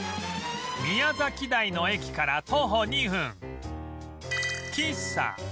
宮崎台の駅から徒歩２分